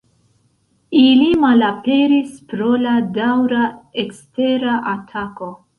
Ili malaperis pro la daŭra ekstera atako.